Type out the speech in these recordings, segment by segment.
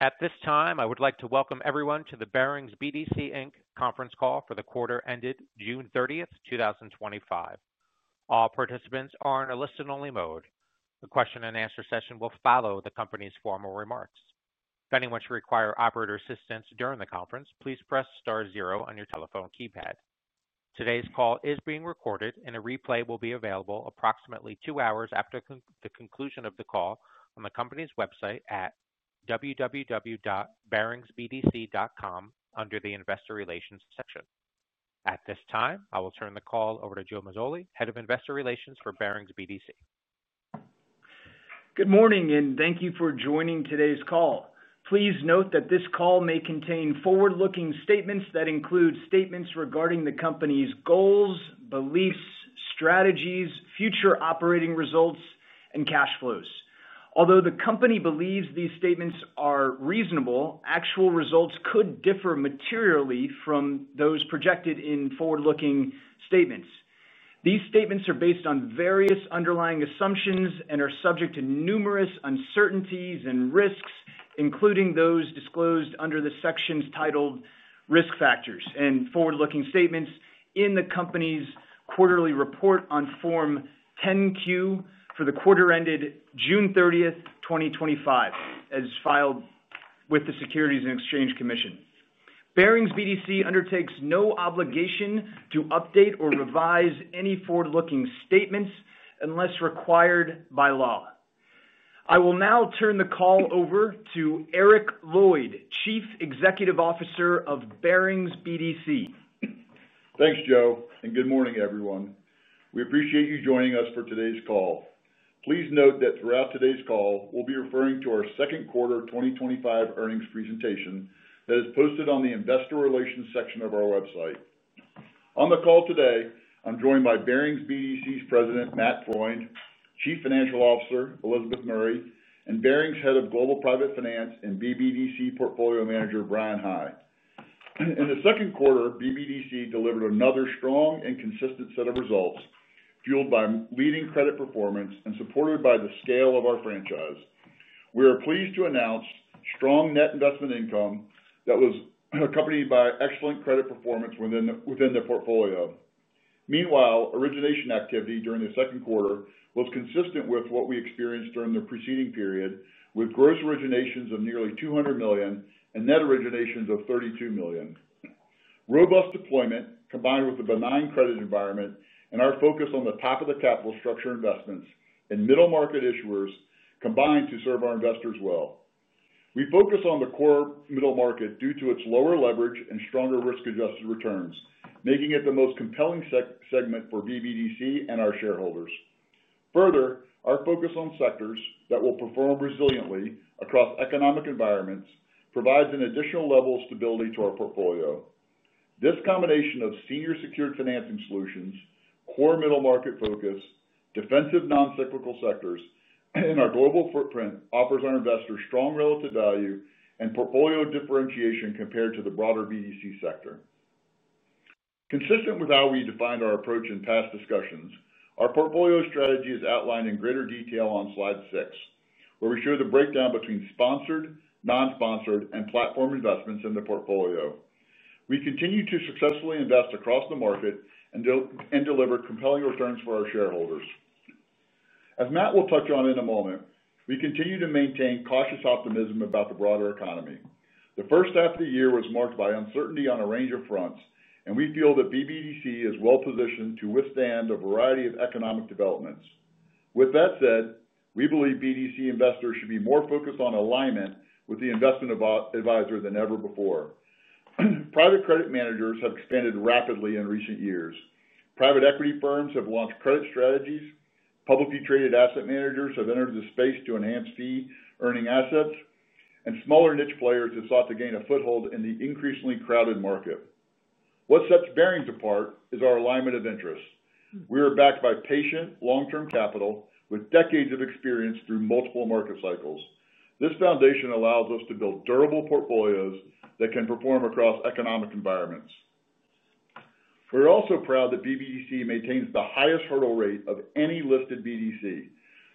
At this time, I would like to welcome everyone to the Barings BDC Inc. Conference Call for the quarter ended June 30, 2025. All participants are in a listen-only mode. The question and answer session will follow the company's formal remarks. If anyone should require operator assistance during the conference, please press star zero on your telephone keypad. Today's call is being recorded, and a replay will be available approximately two hours after the conclusion of the call on the company's website at www.baringsbdc.com under the investor relations section. At this time, I will turn the call over to Joe Mazzoli, Head of Investor Relations for Barings BDC. Good morning and thank you for joining today's call. Please note that this call may contain forward-looking statements that include statements regarding the company's goals, beliefs, strategies, future operating results, and cash flows. Although the company believes these statements are reasonable, actual results could differ materially from those projected in forward-looking statements. These statements are based on various underlying assumptions and are subject to numerous uncertainties and risks, including those disclosed under the sections titled Risk Factors and Forward-Looking Statements in the company's quarterly report on Form 10-Q for the quarter ended June 30, 2025, as filed with the Securities and Exchange Commission. Barings BDC undertakes no obligation to update or revise any forward-looking statements unless required by law. I will now turn the call over to Eric Lloyd, Chief Executive Officer of Barings BDC. Thanks, Joe, and good morning, everyone. We appreciate you joining us for today's call. Please note that throughout today's call, we'll be referring to our second quarter 2025 earnings presentation that is posted on the investor relations section of our website. On the call today, I'm joined by Barings BDC's President, Matt Freund, Chief Financial Officer, Elizabeth Murray, and Barings Head of Global Private Finance and BBDC Portfolio Manager, Bryan High. In the second quarter, BBDC delivered another strong and consistent set of results, fueled by leading credit performance and supported by the scale of our franchise. We are pleased to announce strong net investment income that was accompanied by excellent credit performance within the portfolio. Meanwhile, origination activity during the second quarter was consistent with what we experienced during the preceding period, with gross originations of nearly $200 million and net originations of $32 million. Robust deployment, combined with a benign credit environment and our focus on the top of the capital structure investments and middle market issuers, combined to serve our investors well. We focus on the core middle market due to its lower leverage and stronger risk-adjusted returns, making it the most compelling segment for BBDC and our shareholders. Further, our focus on sectors that will perform resiliently across economic environments provides an additional level of stability to our portfolio. This combination of senior secured financing solutions, core middle market focus, defensive noncyclical sectors, and our global footprint offers our investors strong relative value and portfolio differentiation compared to the broader BDC sector. Consistent with how we defined our approach in past discussions, our portfolio strategy is outlined in greater detail on slide six, where we show the breakdown between sponsored, non-sponsored, and platform investments in the portfolio. We continue to successfully invest across the market and deliver compelling returns for our shareholders. As Matt will touch on in a moment, we continue to maintain cautious optimism about the broader economy. The first half of the year was marked by uncertainty on a range of fronts, and we feel that BBDC is well-positioned to withstand a variety of economic developments. With that said, we believe BDC investors should be more focused on alignment with the investment advisor than ever before. Private credit managers have expanded rapidly in recent years. Private equity firms have launched credit strategies, publicly traded asset managers have entered the space to enhance fee earning assets, and smaller niche players have sought to gain a foothold in the increasingly crowded market. What sets Barings apart is our alignment of interests. We are backed by patient, long-term capital with decades of experience through multiple market cycles. This foundation allows us to build durable portfolios that can perform across economic environments. We're also proud that Barings BDC maintains the highest hurdle rate of any listed BDC.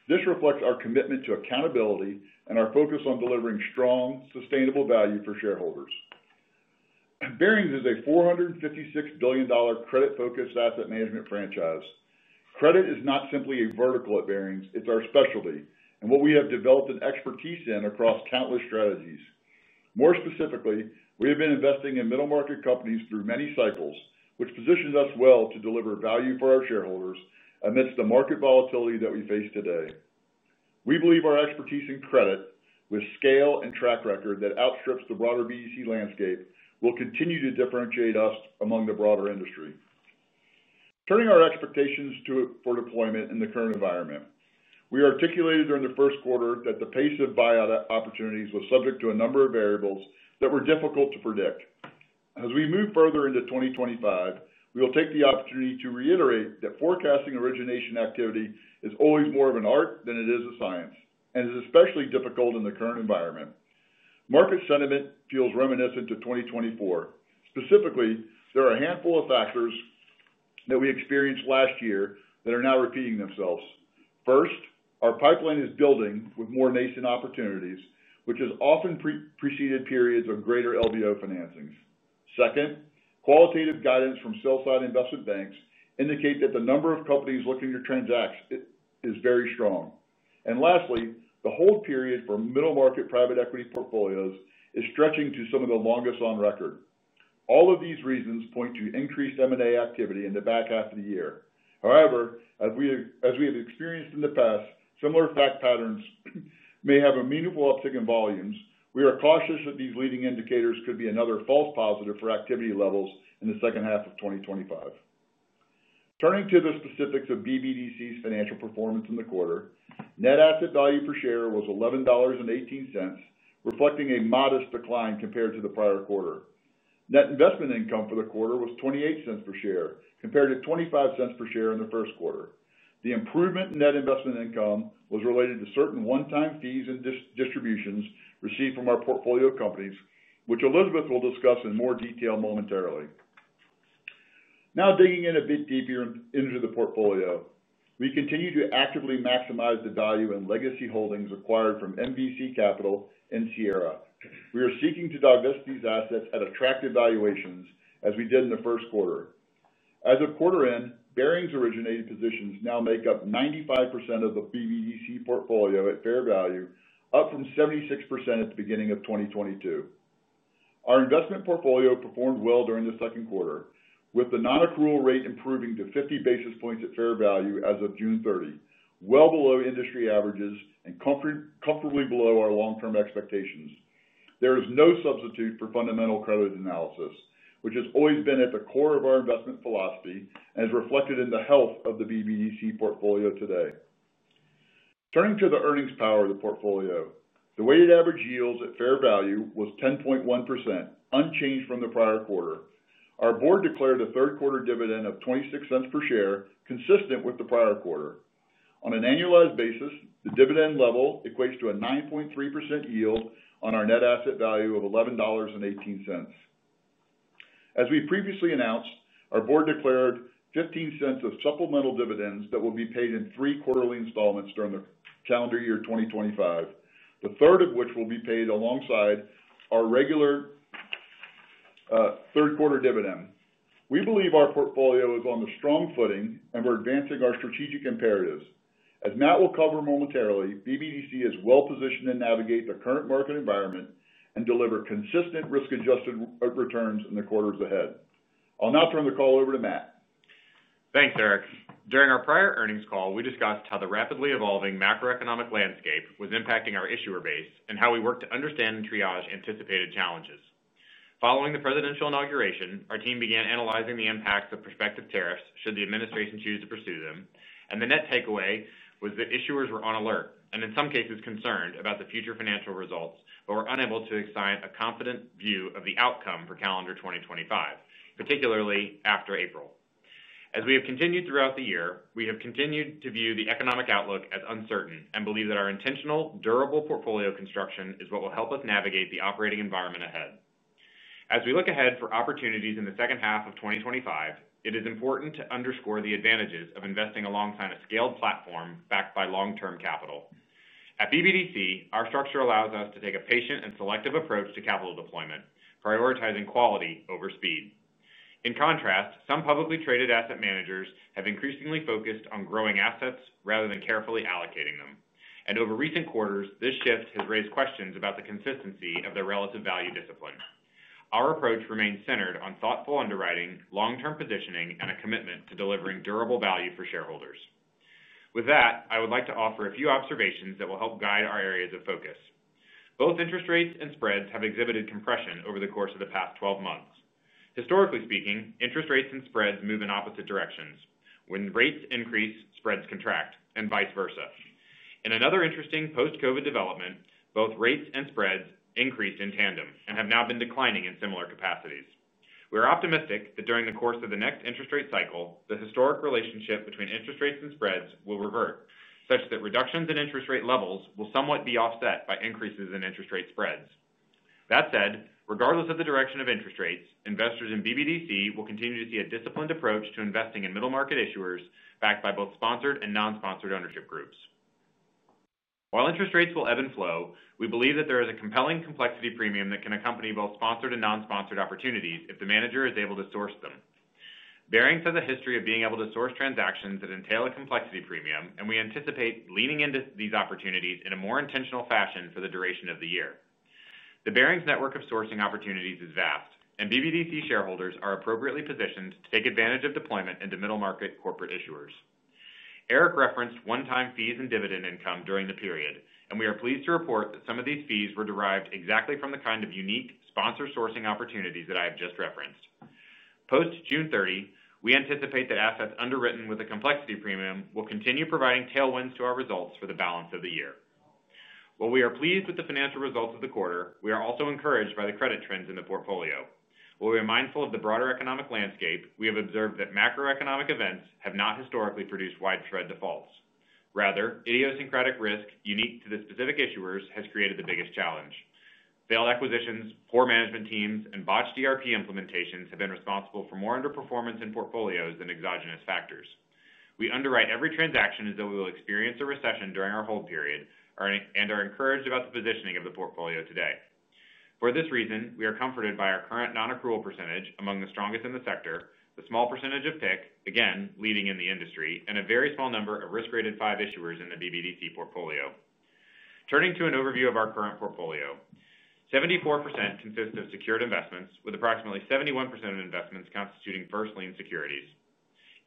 This reflects our commitment to accountability and our focus on delivering strong, sustainable value for shareholders. Barings is a $456 billion credit-focused asset management franchise. Credit is not simply a vertical at Barings; it's our specialty and what we have developed an expertise in across countless strategies. More specifically, we have been investing in middle market companies through many cycles, which positions us well to deliver value for our shareholders amidst the market volatility that we face today. We believe our expertise in credit, with scale and track record that outstrips the broader BDC landscape, will continue to differentiate us among the broader industry. Turning our expectations to deployment in the current environment, we articulated during the first quarter that the pace of buyout opportunities was subject to a number of variables that were difficult to predict. As we move further into 2025, we will take the opportunity to reiterate that forecasting origination activity is always more of an art than it is a science, and it is especially difficult in the current environment. Market sentiment feels reminiscent to 2024. Specifically, there are a handful of factors that we experienced last year that are now repeating themselves. First, our pipeline is building with more nascent opportunities, which has often preceded periods of greater LBO financings. Second, qualitative guidance from self-fund investment banks indicates that the number of companies looking to transact is very strong. Lastly, the hold period for middle market private equity portfolios is stretching to some of the longest on record. All of these reasons point to increased M&A activity in the back half of the year. However, as we have experienced in the past, similar fact patterns may have a meaningful uptick in volumes. We are cautious that these leading indicators could be another false positive for activity levels in the second half of 2025. Turning to the specifics of Barings BDC's financial performance in the quarter, net asset value per share was $11.18, reflecting a modest decline compared to the prior quarter. Net investment income for the quarter was $0.28 per share, compared to $0.25 per share in the first quarter. The improvement in net investment income was related to certain one-time fees and distributions received from our portfolio companies, which Elizabeth Murray will discuss in more detail momentarily. Now digging in a bit deeper into the portfolio, we continue to actively maximize the value and legacy holdings acquired from MVC and Sierra. We are seeking to divest these assets at attractive valuations, as we did in the first quarter. As of quarter end, Barings originated positions now make up 95% of the Barings BDC portfolio at fair value, up from 76% at the beginning of 2022. Our investment portfolio performed well during the second quarter, with the non-accrual rate improving to 50 basis points at fair value as of June 30, well below industry averages and comfortably below our long-term expectations. There is no substitute for fundamental credit analysis, which has always been at the core of our investment philosophy and is reflected in the health of the Barings BDC portfolio today. Turning to the earnings power of the portfolio, the weighted average yields at fair value were 10.1%, unchanged from the prior quarter. Our board declared a third-quarter dividend of $0.26 per share, consistent with the prior quarter. On an annualized basis, the dividend level equates to a 9.3% yield on our net asset value of $11.18. As we previously announced, our board declared $0.15 of supplemental dividends that will be paid in three quarterly installments during the calendar year 2025, the third of which will be paid alongside our regular third-quarter dividend. We believe our portfolio is on a strong footing and we're advancing our strategic imperatives. As Matt Freund will cover momentarily, Barings BDC is well-positioned to navigate the current market environment and deliver consistent risk-adjusted returns in the quarters ahead. I'll now turn the call over to Matt. Thanks, Eric. During our prior earnings call, we discussed how the rapidly evolving macroeconomic landscape was impacting our issuer base and how we worked to understand and triage anticipated challenges. Following the presidential inauguration, our team began analyzing the impacts of prospective tariffs should the administration choose to pursue them, and the net takeaway was that issuers were on alert and, in some cases, concerned about the future financial results but were unable to assign a confident view of the outcome for calendar 2025, particularly after April. As we have continued throughout the year, we have continued to view the economic outlook as uncertain and believe that our intentional, durable portfolio construction is what will help us navigate the operating environment ahead. As we look ahead for opportunities in the second half of 2025, it is important to underscore the advantages of investing alongside a scaled platform backed by long-term capital. At Barings BDC, our structure allows us to take a patient and selective approach to capital deployment, prioritizing quality over speed. In contrast, some publicly traded asset managers have increasingly focused on growing assets rather than carefully allocating them, and over recent quarters, this shift has raised questions about the consistency of their relative value discipline. Our approach remains centered on thoughtful underwriting, long-term positioning, and a commitment to delivering durable value for shareholders. With that, I would like to offer a few observations that will help guide our areas of focus. Both interest rates and spreads have exhibited compression over the course of the past 12 months. Historically speaking, interest rates and spreads move in opposite directions. When rates increase, spreads contract, and vice versa. In another interesting post-COVID development, both rates and spreads increased in tandem and have now been declining in similar capacities. We are optimistic that during the course of the next interest rate cycle, the historic relationship between interest rates and spreads will revert, such that reductions in interest rate levels will somewhat be offset by increases in interest rate spreads. That said, regardless of the direction of interest rates, investors in Barings BDC will continue to see a disciplined approach to investing in middle market issuers backed by both sponsored and non-sponsored ownership groups. While interest rates will ebb and flow, we believe that there is a compelling complexity premium that can accompany both sponsored and non-sponsored opportunities if the manager is able to source them. Barings has a history of being able to source transactions that entail a complexity premium, and we anticipate leaning into these opportunities in a more intentional fashion for the duration of the year. The Barings network of sourcing opportunities is vast, and BBDC shareholders are appropriately positioned to take advantage of deployment into middle market corporate issuers. Eric referenced one-time fees and dividend income during the period, and we are pleased to report that some of these fees were derived exactly from the kind of unique sponsor sourcing opportunities that I have just referenced. Post-June 30, we anticipate that assets underwritten with a complexity premium will continue providing tailwinds to our results for the balance of the year. While we are pleased with the financial results of the quarter, we are also encouraged by the credit trends in the portfolio. While we are mindful of the broader economic landscape, we have observed that macroeconomic events have not historically produced widespread defaults. Rather, idiosyncratic risk unique to the specific issuers has created the biggest challenge. Failed acquisitions, poor management teams, and botched ERP implementations have been responsible for more underperformance in portfolios than exogenous factors. We underwrite every transaction as though we will experience a recession during our hold period and are encouraged about the positioning of the portfolio today. For this reason, we are comforted by our current non-accrual percentage among the strongest in the sector, the small percentage of PIC, again, leading in the industry, and a very small number of risk-rated five issuers in the BBDC portfolio. Turning to an overview of our current portfolio, 74% consists of secured investments, with approximately 71% of investments constituting first lien securities.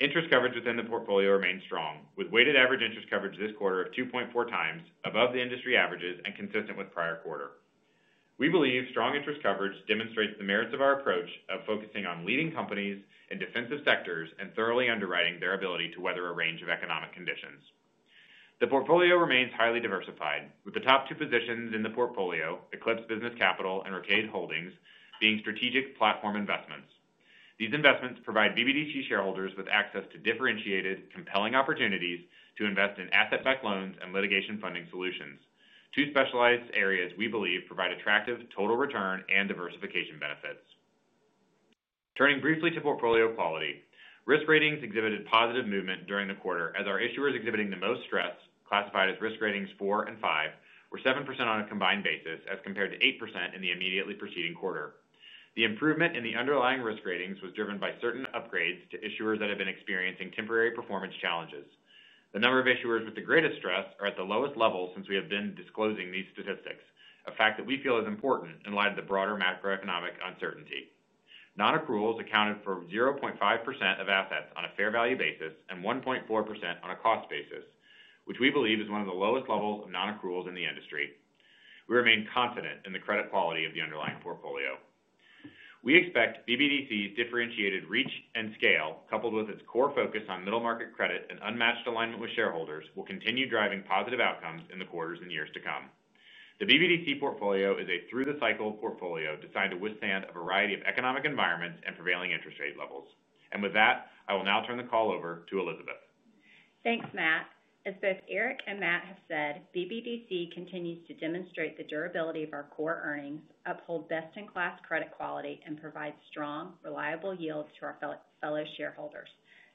Interest coverage within the portfolio remains strong, with weighted average interest coverage this quarter of 2.4 times, above the industry averages and consistent with prior quarter. We believe strong interest coverage demonstrates the merits of our approach of focusing on leading companies in defensive sectors and thoroughly underwriting their ability to weather a range of economic conditions. The portfolio remains highly diversified, with the top two positions in the portfolio, Eclipse Business Capital and Arcade Holdings, being strategic platform investments. These investments provide Barings BDC shareholders with access to differentiated, compelling opportunities to invest in asset-backed loans and litigation funding solutions, two specialized areas we believe provide attractive total return and diversification benefits. Turning briefly to portfolio quality, risk ratings exhibited positive movement during the quarter, as our issuers exhibiting the most stress, classified as risk ratings four and five, were 7% on a combined basis as compared to 8% in the immediately preceding quarter. The improvement in the underlying risk ratings was driven by certain upgrades to issuers that have been experiencing temporary performance challenges. The number of issuers with the greatest stress are at the lowest level since we have been disclosing these statistics, a fact that we feel is important in light of the broader macroeconomic uncertainty. Non-accruals accounted for 0.5% of assets on a fair value basis and 1.4% on a cost basis, which we believe is one of the lowest levels of non-accruals in the industry. We remain confident in the credit quality of the underlying portfolio. We expect Barings BDC's differentiated reach and scale, coupled with its core focus on middle market credit and unmatched alignment with shareholders, will continue driving positive outcomes in the quarters and years to come. The Barings BDC portfolio is a through-the-cycle portfolio designed to withstand a variety of economic environments and prevailing interest rate levels. With that, I will now turn the call over to Elizabeth. Thanks, Matt. As both Eric and Matt have said, Barings BDC continues to demonstrate the durability of our core earnings, uphold best-in-class credit quality, and provide strong, reliable yields to our fellow shareholders.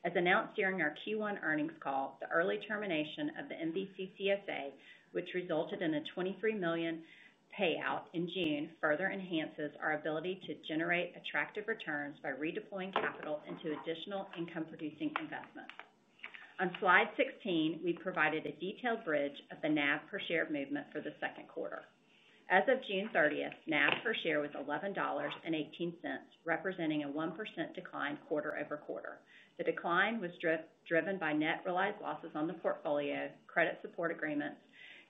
As announced during our Q1 earnings call, the early termination of the MVCA credit support agreement, which resulted in a $23 million payout in June, further enhances our ability to generate attractive returns by redeploying capital into additional income-producing investments. On slide 16, we provided a detailed bridge of the net asset value per share movement for the second quarter. As of June 30, net asset value per share was $11.18, representing a 1% decline quarter-over-quarter. The decline was driven by net realized losses on the portfolio, credit support agreements,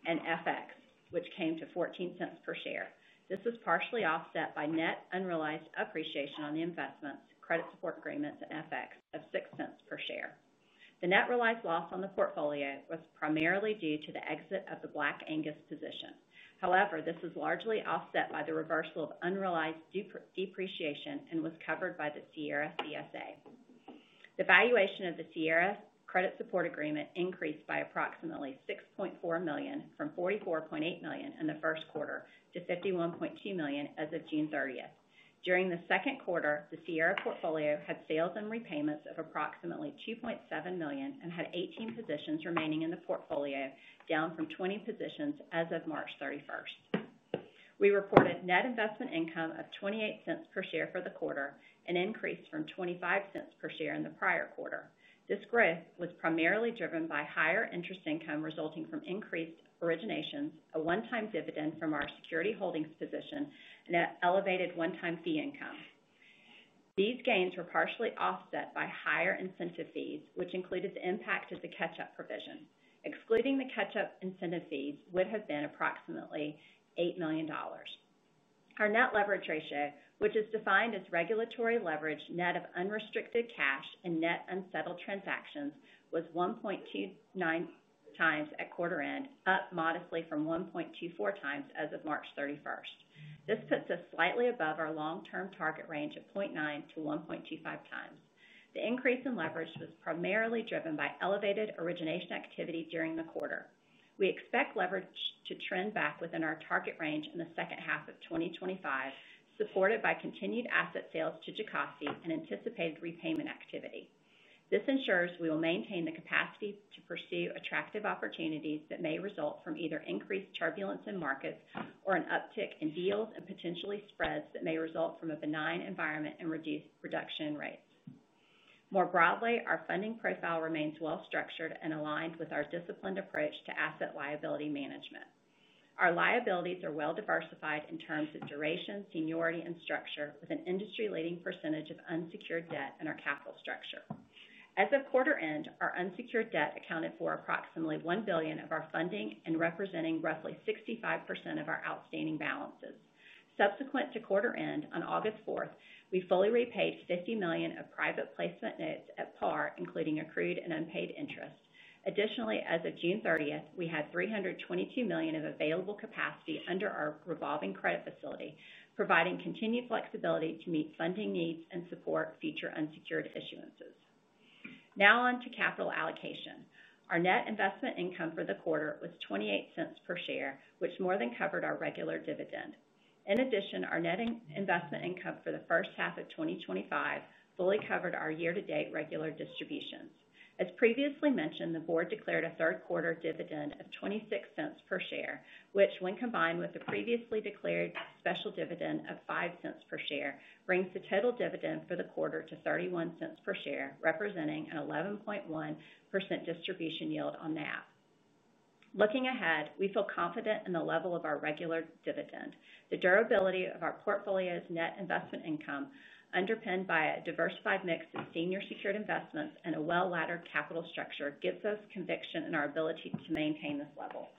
and FX, which came to $0.14 per share. This is partially offset by net unrealized appreciation on the investments, credit support agreements, and FX of $0.06 per share. The net realized loss on the portfolio was primarily due to the exit of the Black Angus position. However, this is largely offset by the reversal of unrealized depreciation and was covered by the Sierra credit support agreement. The valuation of the Sierra credit support agreement increased by approximately $6.4 million from $44.8 million in the first quarter to $51.2 million as of June 30. During the second quarter, the Sierra portfolio had sales and repayments of approximately $2.7 million and had 18 positions remaining in the portfolio, down from 20 positions as of March 31. We reported net investment income of $0.28 per share for the quarter, an increase from $0.25 per share in the prior quarter. This growth was primarily driven by higher interest income resulting from increased originations, a one-time dividend from our security holdings position, and an elevated one-time fee income. These gains were partially offset by higher incentive fees, which included the impact of the catch-up provision. Excluding the catch-up incentive fees, it would have been approximately $8/9 million. Our net leverage ratio, which is defined as regulatory leverage net of unrestricted cash and net unsettled transactions, was 1.29 times at quarter end, up modestly from 1.24 times as of March 31. This puts us slightly above our long-term target range of 0.9-1.25 times. The increase in leverage was primarily driven by elevated origination activity during the quarter. We expect leverage to trend back within our target range in the second half of 2025, supported by continued asset sales to Jacossi and anticipated repayment activity. This ensures we will maintain the capacity to pursue attractive opportunities that may result from either increased turbulence in markets or an uptick in deals and potentially spreads that may result from a benign environment and reduction in rates. More broadly, our funding profile remains well-structured and aligned with our disciplined approach to asset liability management. Our liabilities are well-diversified in terms of duration, seniority, and structure, with an industry-leading percentage of unsecured debt in our capital structure. As of quarter end, our unsecured debt accounted for approximately $1 billion of our funding, representing roughly 65% of our outstanding balances. Subsequent to quarter end on August 4, we fully repaid $50 million of private placement notes at par, including accrued and unpaid interest. Additionally, as of June 30, we had $322 million of available capacity under our revolving credit facility, providing continued flexibility to meet funding needs and support future unsecured issuances. Now on to capital allocation. Our net investment income for the quarter was $0.28 per share, which more than covered our regular dividend. In addition, our net investment income for the first half of 2025 fully covered our year-to-date regular distributions. As previously mentioned, the board declared a third quarter dividend of $0.26 per share, which, when combined with the previously declared special dividend of $0.05 per share, brings the total dividend for the quarter to $0.31 per share, representing an 11.1% distribution yield on NAV. Looking ahead, we feel confident in the level of our regular dividend. The durability of our portfolio's net investment income, underpinned by a diversified mix of senior secured investments and a well-laddered capital structure, gives us conviction in our ability to maintain this level.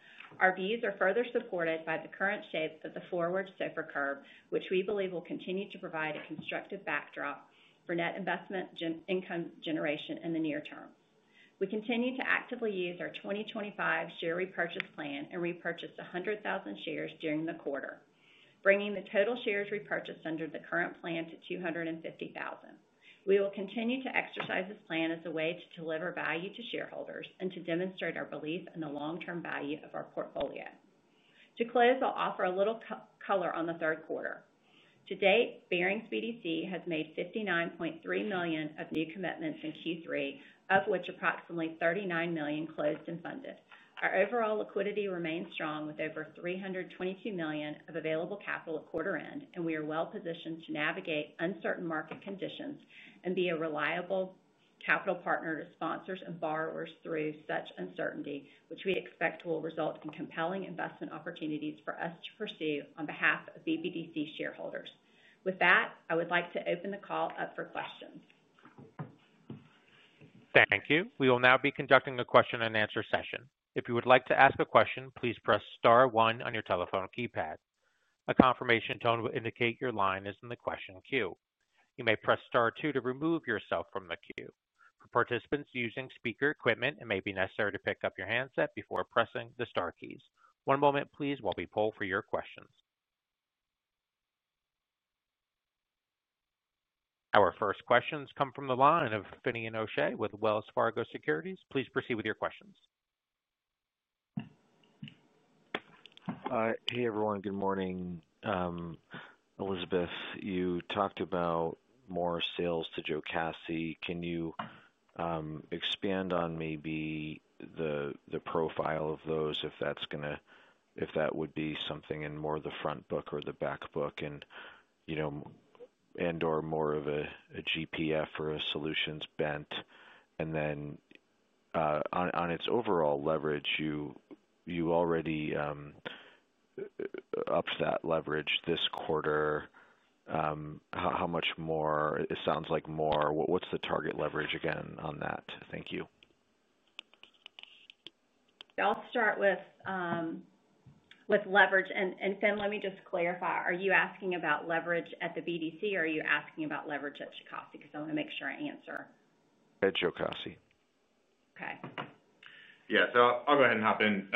Our views are further supported by the current shape of the forward SOFR curve, which we believe will continue to provide a constructive backdrop for net investment income generation in the near term. We continue to actively use our 2025 share repurchase plan and repurchased 100,000 shares during the quarter, bringing the total shares repurchased under the current plan to 250,000. We will continue to exercise this plan as a way to deliver value to shareholders and to demonstrate our belief in the long-term value of our portfolio. To close, I'll offer a little color on the third quarter. To date, Barings BDC has made $59.3 million of new commitments in Q3, of which approximately $39 million closed and funded. Our overall liquidity remains strong, with over $322 million of available capital at quarter end, and we are well-positioned to navigate uncertain market conditions and be a reliable capital partner to sponsors and borrowers through such uncertainty, which we expect will result in compelling investment opportunities for us to pursue on behalf of BBDC shareholders. With that, I would like to open the call up for questions. Thank you. We will now be conducting a question and answer session. If you would like to ask a question, please press star one on your telephone keypad. A confirmation tone will indicate your line is in the question queue. You may press star two to remove yourself from the queue. For participants using speaker equipment, it may be necessary to pick up your handset before pressing the star keys. One moment, please, while we poll for your questions. Our first questions come from the line of Finian O'Shea with Wells Fargo Securities. Please proceed with your questions. Hey, everyone. Good morning. Elizabeth, you talked about more sales to Jacossi. Can you expand on maybe the profile of those, if that's going to, if that would be something in more of the front book or the back book and/or more of a GPF or a solutions bent? On its overall leverage, you already upped that leverage this quarter. How much more? It sounds like more. What's the target leverage again on that? Thank you. I'll start with leverage. Finian, let me just clarify. Are you asking about leverage at the BDC or are you asking about leverage at Jacossi? I want to make sure I answer. At Jacossi. Okay. Yeah, I'll go ahead and hop in.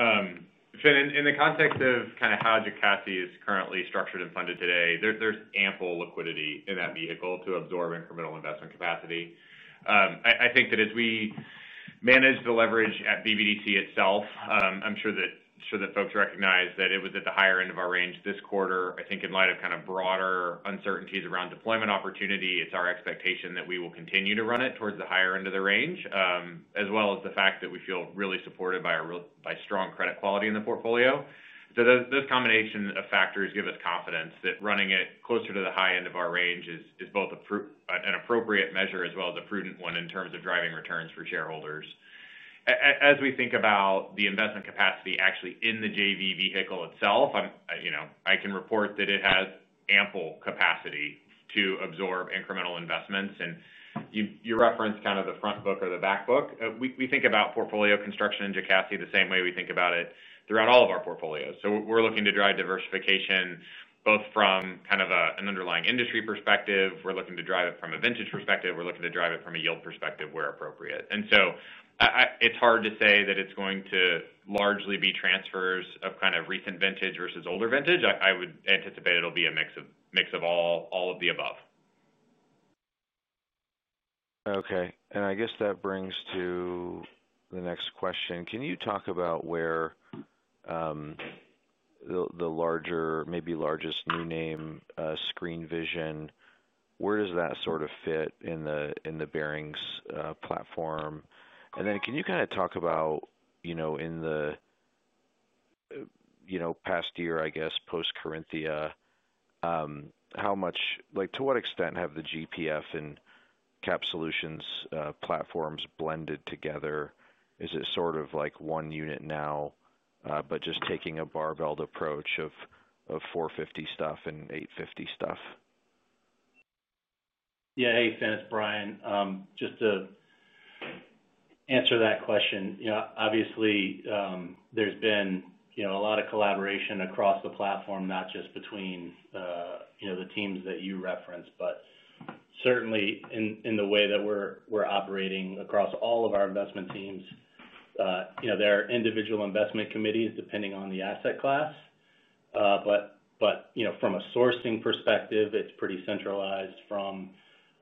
Finian, in the context of how Jacossi is currently structured and funded today, there's ample liquidity in that vehicle to absorb incremental investment capacity. I think that as we manage the leverage at Barings BDC itself, I'm sure that folks recognize that it was at the higher end of our range this quarter. I think in light of broader uncertainties around deployment opportunity, it's our expectation that we will continue to run it towards the higher end of the range, as well as the fact that we feel really supported by strong credit quality in the portfolio. Those combination of factors give us confidence that running it closer to the high end of our range is both an appropriate measure as well as a prudent one in terms of driving returns for shareholders. As we think about the investment capacity actually in the JV vehicle itself, I can report that it has ample capacity to absorb incremental investments. You referenced the front book or the back book. We think about portfolio construction in Jacossi the same way we think about it throughout all of our portfolios. We're looking to drive diversification both from an underlying industry perspective. We're looking to drive it from a vintage perspective. We're looking to drive it from a yield perspective where appropriate. It's hard to say that it's going to largely be transfers of recent vintage versus older vintage. I would anticipate it'll be a mix of all of the above. Okay. I guess that brings to the next question. Can you talk about where the larger, maybe largest new name, Screen Vision, where does that sort of fit in the Barings platform? Can you kind of talk about, in the past year, I guess, post-Corinthia, to what extent have the GPF and Cap Solutions platforms blended together? Is it sort of like one unit now, just taking a barbelled approach of 450 stuff and 850 stuff? Yeah. Hey, Finn, it's Bryan. To answer that question, obviously, there's been a lot of collaboration across the platform, not just between the teams that you referenced, but certainly in the way that we're operating across all of our investment teams. There are individual investment committees depending on the asset class. From a sourcing perspective, it's pretty centralized. From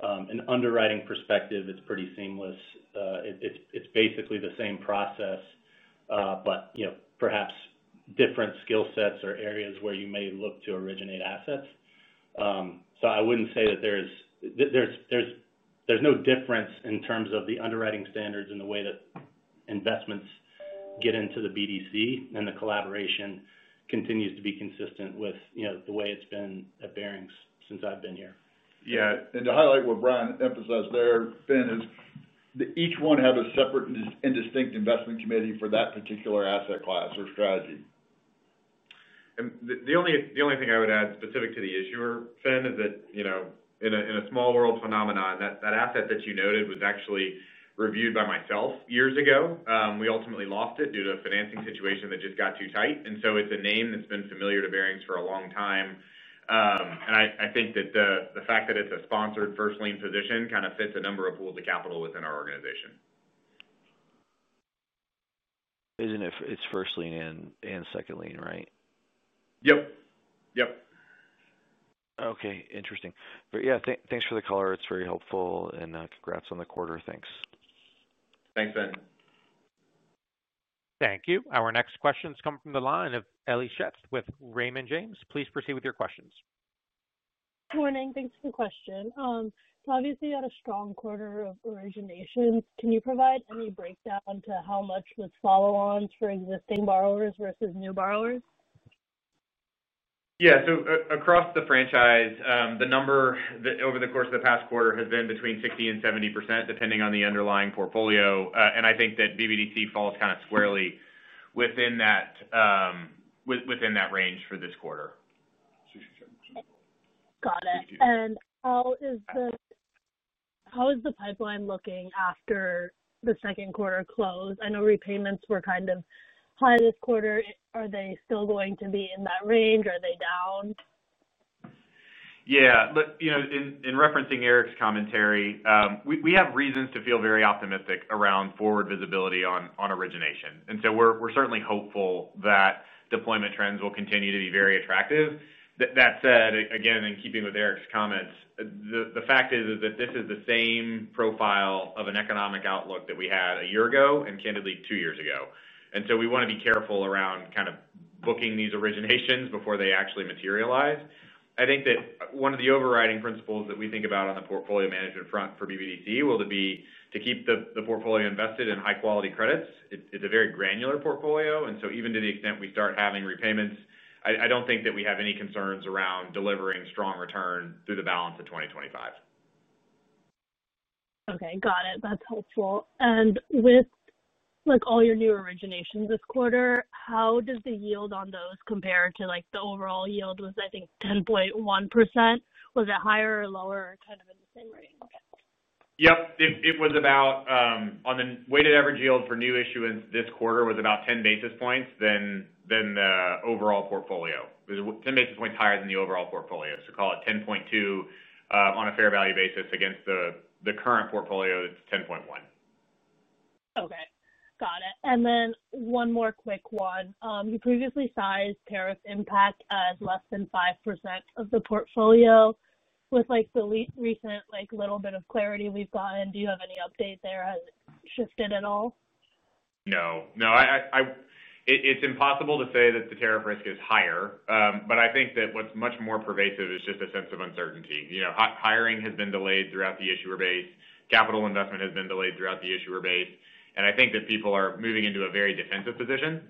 an underwriting perspective, it's pretty seamless. It's basically the same process, but perhaps different skill sets or areas where you may look to originate assets. I wouldn't say that there's no difference in terms of the underwriting standards and the way that investments get into the BDC, and the collaboration continues to be consistent with the way it's been at Barings since I've been here. To highlight what Bryan emphasized there, Finn, each one has a separate and distinct investment committee for that particular asset class or strategy. The only thing I would add specific to the issuer, Finn, is that, you know, in a small world phenomenon, that asset that you noted was actually reviewed by myself years ago. We ultimately lost it due to a financing situation that just got too tight. It's a name that's been familiar to Barings for a long time. I think that the fact that it's a sponsored first lien position kind of fits a number of pools of capital within our organization. Isn't it? It's first lien and second lien, right? Yep. Yep. Okay. Interesting. Thanks for the call. It's very helpful, and congrats on the quarter. Thanks. Thanks, Finn. Thank you. Our next questions come from the line of Ellie Schettz with Raymond James. Please proceed with your questions. Good morning. Thanks for the question. Obviously, you had a strong quarter of origination. Can you provide any breakdown to how much this follows on for existing borrowers versus new borrowers? Yeah. Across the franchise, the number over the course of the past quarter has been between 60% and 70%, depending on the underlying portfolio. I think that Barings BDC falls kind of squarely within that range for this quarter. Got it. How is the pipeline looking after the second quarter close? I know repayments were kind of high this quarter. Are they still going to be in that range? Are they down? Yeah. In referencing Eric's commentary, we have reasons to feel very optimistic around forward visibility on origination. We're certainly hopeful that deployment trends will continue to be very attractive. That said, in keeping with Eric's comments, the fact is that this is the same profile of an economic outlook that we had a year ago and candidly two years ago. We want to be careful around kind of booking these originations before they actually materialize. I think that one of the overriding principles that we think about on the portfolio management front for Barings BDC will be to keep the portfolio invested in high-quality credits. It's a very granular portfolio. Even to the extent we start having repayments, I don't think that we have any concerns around delivering strong return through the balance of 2025. Okay. Got it. That's helpful. With all your new originations this quarter, how does the yield on those compare to the overall yield? Was, I think, 10.1%? Was it higher or lower or kind of in the same range? It was about, on the weighted average yield for new issuance this quarter, about 10 basis points higher than the overall portfolio. Call it 10.2% on a fair value basis against the current portfolio, it's 10.1%. Okay. Got it. One more quick one. You previously sized Paris Impact as less than 5% of the portfolio. With the recent little bit of clarity we've gotten, do you have any update there? Has it shifted at all? No. No. It's impossible to say that the tariff risk is higher, but I think that what's much more pervasive is just a sense of uncertainty. Hiring has been delayed throughout the issuer base. Capital investment has been delayed throughout the issuer base. I think that people are moving into a very defensive position.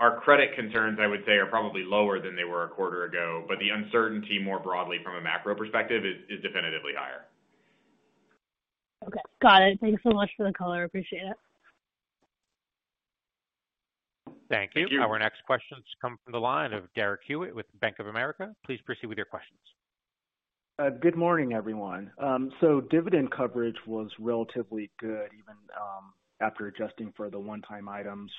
Our credit concerns, I would say, are probably lower than they were a quarter ago, but the uncertainty more broadly from a macro perspective is definitively higher. Okay. Got it. Thanks so much for the call. I appreciate it. Thank you. Our next questions come from the line of Derek Hewett with Bank of America. Please proceed with your questions. Good morning, everyone. Dividend coverage was relatively good, even after adjusting for the one-time items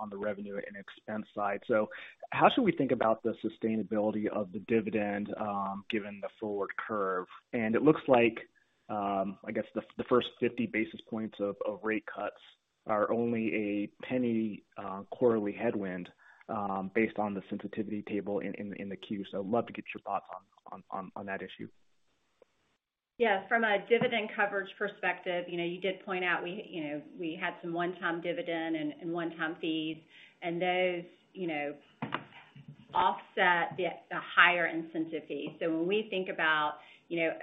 on the revenue and expense side. How should we think about the sustainability of the dividend given the forward curve? It looks like the first 50 bps of rate cuts are only a penny quarterly headwind based on the sensitivity table in the queue. I'd love to get your thoughts on that issue. Yeah. From a dividend coverage perspective, you did point out we had some one-time dividend and one-time fees, and those offset the higher incentive fees. When we think about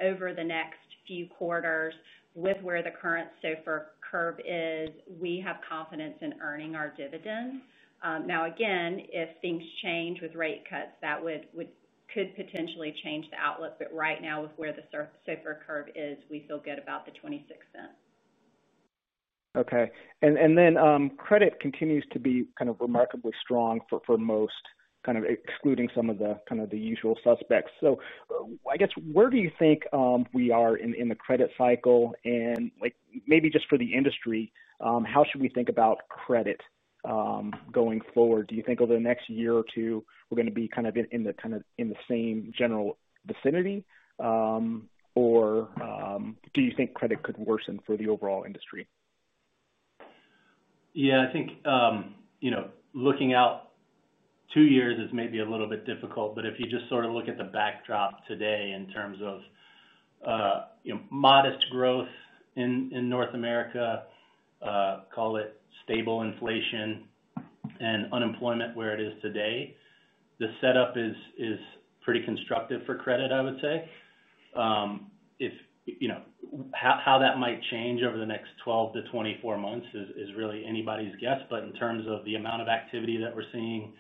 over the next few quarters, with where the current SOFR curve is, we have confidence in earning our dividends. If things change with rate cuts, that could potentially change the outlook. Right now, with where the SOFR curve is, we feel good about the $0.26. Okay. Credit continues to be kind of remarkably strong for most, kind of excluding some of the usual suspects. I guess where do you think we are in the credit cycle? Maybe just for the industry, how should we think about credit going forward? Do you think over the next year or two, we're going to be kind of in the same general vicinity, or do you think credit could worsen for the overall industry? I think, you know, looking out two years is maybe a little bit difficult, but if you just sort of look at the backdrop today in terms of modest growth in North America, call it stable inflation and unemployment where it is today, the setup is pretty constructive for credit, I would say. How that might change over the next 12 to 24 months is really anybody's guess. In terms of the amount of activity that we're seeing,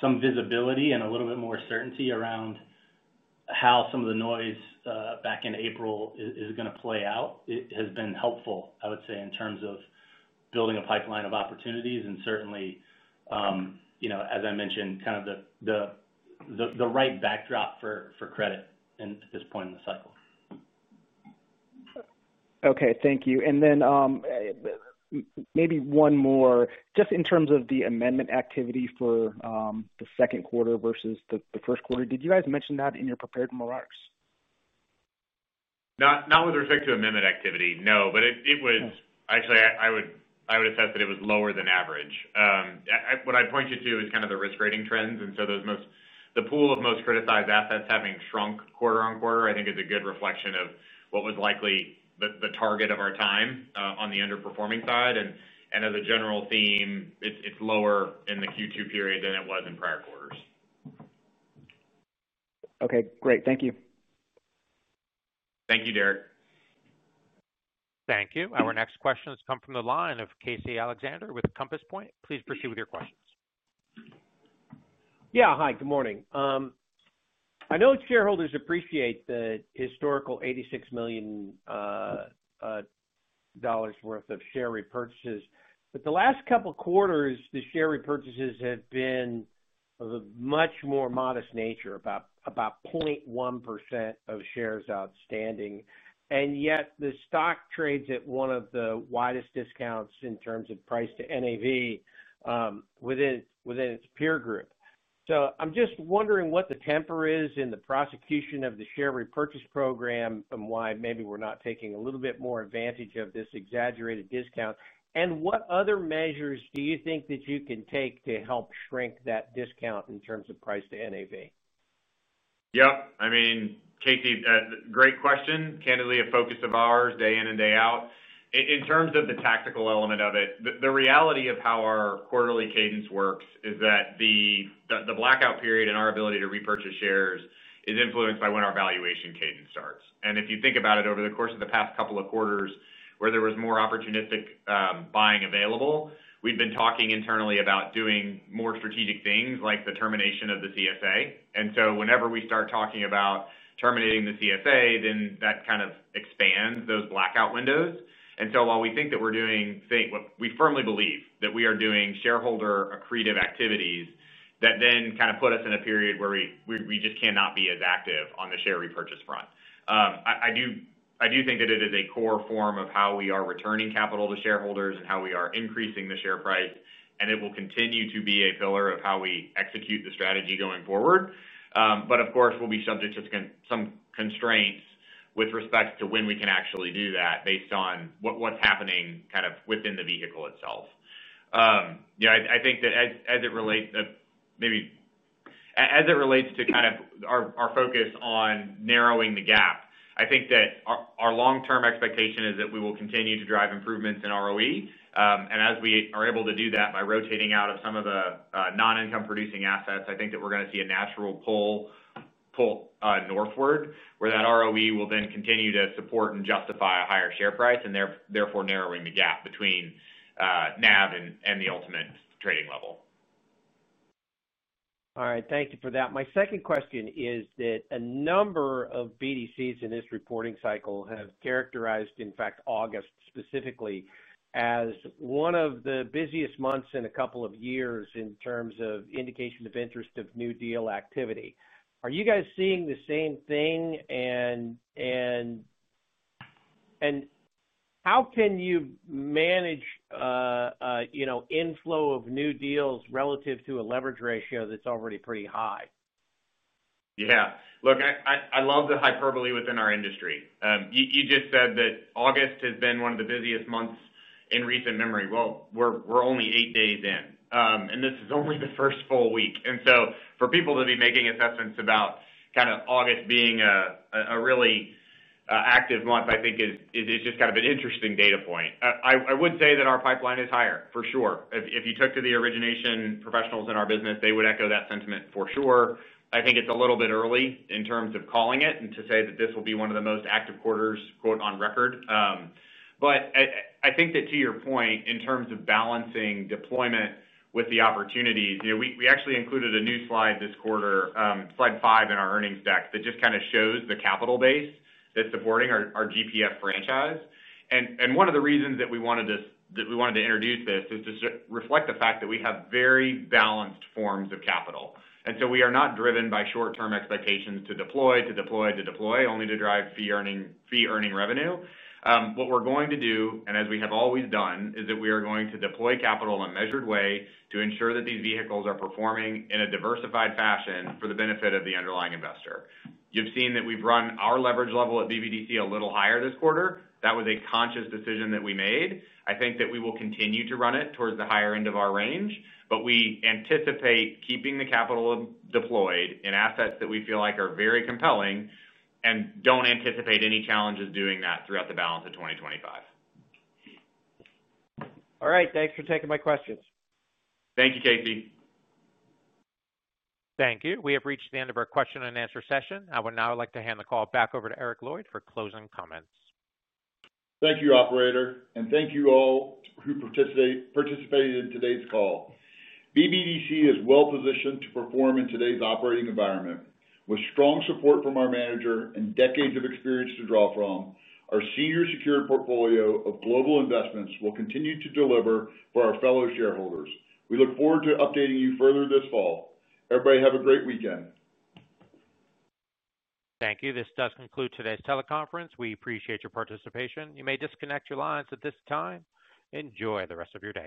some visibility and a little bit more certainty around how some of the noise back in April is going to play out has been helpful, I would say, in terms of building a pipeline of opportunities and certainly, as I mentioned, kind of the right backdrop for credit at this point in the cycle. Okay. Thank you. Maybe one more, just in terms of the amendment activity for the second quarter versus the first quarter, did you guys mention that in your prepared remarks? Not with respect to amendment activity, no. It was actually, I would have thought that it was lower than average. What I pointed to is kind of the risk rating trends. The pool of most criticized assets having shrunk quarter on quarter, I think, is a good reflection of what was likely the target of our time on the underperforming side. As a general theme, it's lower in the Q2 period than it was in prior quarters. Okay. Great. Thank you. Thank you, Derek. Thank you. Our next questions come from the line of Casey Alexander with Compass Point. Please proceed with your questions. Yeah. Hi. Good morning. I know shareholders appreciate the historical $86 million worth of share repurchases. The last couple of quarters, the share repurchases have been of a much more modest nature, about 0.1% of shares outstanding. Yet the stock trades at one of the widest discounts in terms of price to NAV within its peer group. I'm just wondering what the temper is in the prosecution of the share repurchase program and why maybe we're not taking a little bit more advantage of this exaggerated discount. What other measures do you think that you can take to help shrink that discount in terms of price to NAV? Yeah. I mean, Casey, great question. Candidly, a focus of ours day in and day out. In terms of the tactical element of it, the reality of how our quarterly cadence works is that the blackout period and our ability to repurchase shares is influenced by when our valuation cadence starts. If you think about it, over the course of the past couple of quarters, where there was more opportunistic buying available, we've been talking internally about doing more strategic things, like the termination of the credit support agreement. Whenever we start talking about terminating the credit support agreement, that kind of expands those blackout windows. While we think that we're doing, say, what we firmly believe that we are doing shareholder accretive activities, that then kind of puts us in a period where we just cannot be as active on the share repurchase front. I do think that it is a core form of how we are returning capital to shareholders and how we are increasing the share price, and it will continue to be a pillar of how we execute the strategy going forward. Of course, we'll be subject to some constraints with respect to when we can actually do that based on what's happening kind of within the vehicle itself. I think that as it relates to kind of our focus on narrowing the gap, I think that our long-term expectation is that we will continue to drive improvements in ROE. As we are able to do that by rotating out of some of the non-income-producing assets, I think that we're going to see a natural pull northward, where that ROE will then continue to support and justify a higher share price, and therefore narrowing the gap between net asset value and the ultimate trading level. All right. Thank you for that. My second question is that a number of BDCs in this reporting cycle have characterized, in fact, August specifically as one of the busiest months in a couple of years in terms of indication of interest of new deal activity. Are you guys seeing the same thing? How can you manage, you know, inflow of new deals relative to a leverage ratio that's already pretty high? Yeah. Look, I love the hyperbole within our industry. You just said that August has been one of the busiest months in recent memory. We're only eight days in, and this is only the first full week. For people to be making assessments about kind of August being a really active month, I think is just kind of an interesting data point. I would say that our pipeline is higher, for sure. If you took to the origination professionals in our business, they would echo that sentiment for sure. I think it's a little bit early in terms of calling it and to say that this will be one of the most active quarters, quote, "on record." I think that to your point, in terms of balancing deployment with the opportunities, you know, we actually included a new slide this quarter, slide five in our earnings deck, that just kind of shows the capital base that's supporting our GPF franchise. One of the reasons that we wanted to introduce this is to reflect the fact that we have very balanced forms of capital. We are not driven by short-term expectations to deploy, to deploy, to deploy, only to drive fee-earning revenue. What we're going to do, and as we have always done, is that we are going to deploy capital in a measured way to ensure that these vehicles are performing in a diversified fashion for the benefit of the underlying investor. You've seen that we've run our leverage level at Barings BDC a little higher this quarter. That was a conscious decision that we made. I think that we will continue to run it towards the higher end of our range, but we anticipate keeping the capital deployed in assets that we feel like are very compelling and don't anticipate any challenges doing that throughout the balance of 2025. All right. Thanks for taking my questions. Thank you, Casey. Thank you. We have reached the end of our question and answer session. I would now like to hand the call back over to Eric Lloyd for closing comments. Thank you, Operator, and thank you all who participated in today's call. Barings BDC is well-positioned to perform in today's operating environment. With strong support from our manager and decades of experience to draw from, our senior secured portfolio of global investments will continue to deliver for our fellow shareholders. We look forward to updating you further this fall. Everybody, have a great weekend. Thank you. This does conclude today's teleconference. We appreciate your participation. You may disconnect your lines at this time. Enjoy the rest of your day.